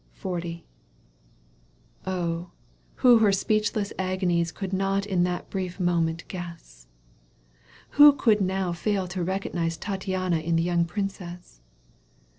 ^ XL Oh ! who her speechless agonies Could not in that brief moment guess ! Who now could fail to recognize Tattiana in the young princess